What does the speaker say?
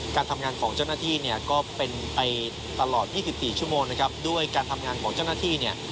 การทำงานของเจ้าหน้าที่เนี่ยก็เป็นไปตลอด๒๔ชั่วโมงนะครับด้วยการทำงานของเจ้าหน้าที่เนี่ย